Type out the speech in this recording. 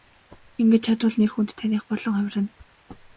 Ингэж чадвал нэр хүнд таных болон хувирна.